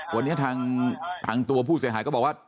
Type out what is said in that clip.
วันนี้ทางตัวผู้เสียหายก็บอกว่า